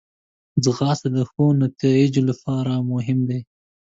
ځغاسته د ښو نتایجو لپاره مهمه ده